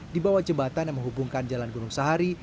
di bawah jembatan yang menghubungkan jalan gunung sahari